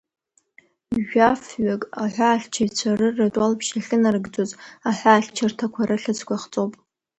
Жәаф-ҩык аҳәаахьчаҩцәа рырратә уалԥшьа ахьынарыгӡоз аҳәаахьчарҭақәа рыхьӡқәа ахҵоуп.